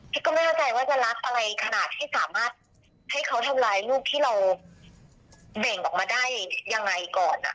ก็ไม่เข้าใจว่าจะรักอะไรขนาดที่สามารถให้เขาทำลายลูกที่เราแบ่งออกมาได้ยังไงก่อน